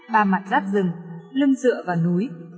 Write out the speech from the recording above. ba mặt rác rừng lưng dựa và núi